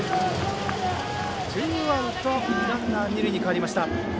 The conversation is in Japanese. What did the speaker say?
ツーアウト、ランナー、二塁に変わりました。